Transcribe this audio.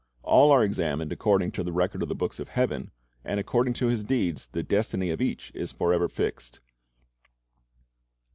All are examined according to the record of the books of heaven, and according to his deeds the destiny of each is forever fixed.